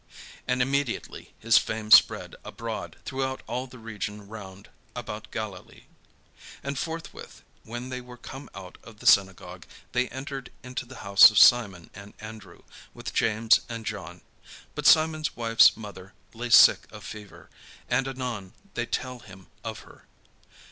And immediately his fame spread abroad throughout all the region round about Galilee. And forthwith, when they were come out of the synagogue, they entered into the house of Simon and Andrew, with James and John. But Simon's wife's mother lay sick of a fever, and anon they tell him of her.